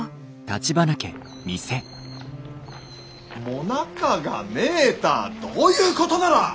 ・もなかがねえたあどういうことなら！